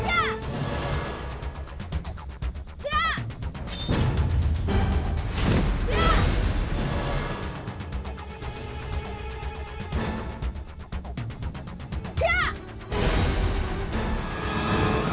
naga terbang ke bumi